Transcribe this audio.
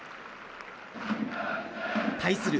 対する